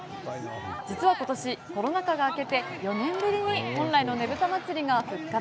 実は今年、コロナ禍が明け４年ぶりに本来のねぶた祭が復活。